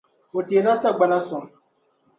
O teela sagbana sɔŋ.